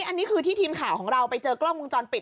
อันนี้คือที่ทีมข่าวของเราไปเจอกล้องวงจรปิด